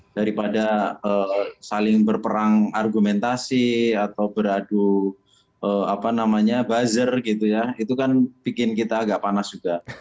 daripada saling berperang argumentasi atau beradu buzzer itu kan bikin kita agak panas juga